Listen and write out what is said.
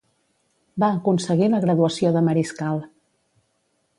Va aconseguir la graduació de mariscal.